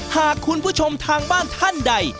หากคุณผู้ชมทางบ้านท่านใด